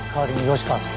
吉川さん！